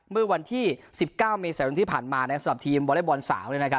เมื่อวันที่๑๙เมษายนที่ผ่านมาสำหรับทีมวอเล็กบอลสาว